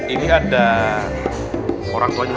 ini ada orang tuanya